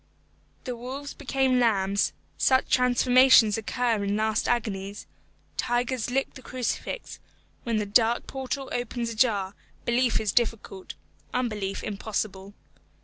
The wolves became lambs such transformations occur in last agonies; tigers lick the crucifix; when the dark portal opens ajar, belief is difficult, unbelief impossible.